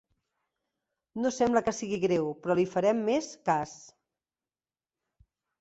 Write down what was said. No sembla que sigui greu, però li farem més cas.